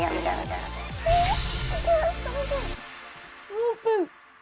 オープン。